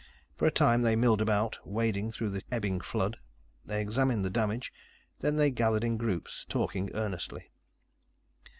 For a time, they milled about, wading through the ebbing flood. They examined the damage, then they gathered in groups, talking earnestly.